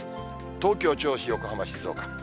東京、銚子、横浜、静岡。